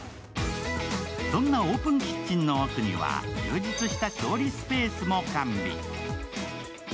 そんなオープンキッチンの奥には、充実した調理スペースも完備。